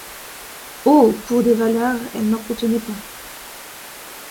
Oh ! pour des valeurs, elle n’en contenait pas.